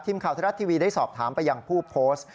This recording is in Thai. ทีมข่าวไทยรัฐทีวีได้สอบถามไปยังผู้โพสต์